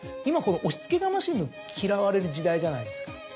今押し付けがましいの嫌われる時代じゃないですか。